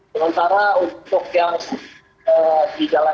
sementara untuk yang di jalan